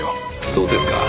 そうですか。